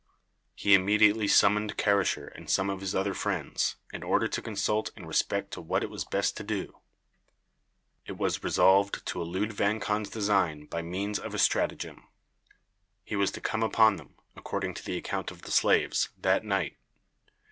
He immediately summoned Karasher and some of his other friends, in order to consult in respect to what it was best to do. It was resolved to elude Vang Khan's design by means of a stratagem. He was to come upon them, according to the account of the slaves, that night.